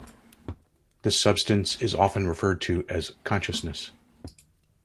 This substance is often referred to as consciousness.